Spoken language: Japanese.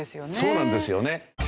そうなんですよね。